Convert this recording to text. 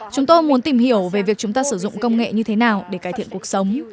chúng tôi muốn tìm hiểu về việc chúng ta sử dụng công nghệ như thế nào để cải thiện cuộc sống